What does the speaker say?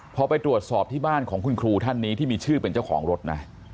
พอไปตรวจสอบที่บ้านของคุณครูท่านนี้ที่มีชื่อเป็นเจ้าของรถนะ